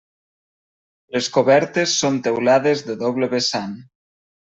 Les cobertes són teulades de doble vessant.